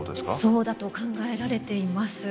そうだと考えられています。